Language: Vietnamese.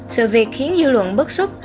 sự việc khiến dư luận bức xúc